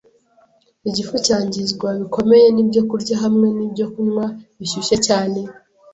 Igifu cyangizwa bikomeye n’ibyokurya hamwe n’ibyokunywa bishyushye cyane.